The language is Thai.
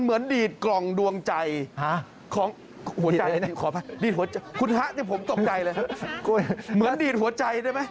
เหมือนดีดหัวใจได้ไหม